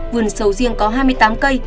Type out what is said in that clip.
vườn sầu riêng có hai mươi tám cây